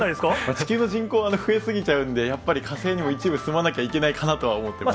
地球の人口、増え過ぎちゃうんで、やっぱり火星にも一部住まなきゃいけないかなとは思ってます。